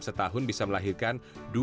setahun bisa melahirkan